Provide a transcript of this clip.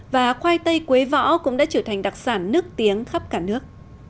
và khoai tây quế võ cũng đã trở thành đặc sản nước tiếng khắp cả nước